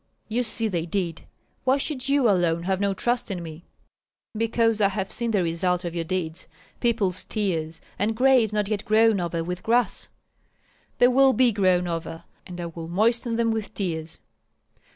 You see they did. Why should you alone have no trust in me?" "Because I have seen the result of your deeds, people's tears, and graves not yet grown over with grass." "They will be grown over, and I will moisten them with tears."